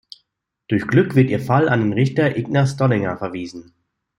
Durch Glück wird ihr Fall an den Richter Ignaz Dollinger verwiesen.